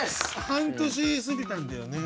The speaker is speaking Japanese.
半年過ぎたんだよね。